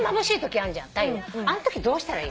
あのときどうしたらいい？